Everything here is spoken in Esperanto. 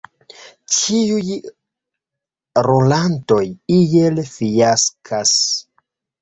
Ĉiuj rolantoj iel fiaskas.